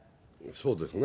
そうですね。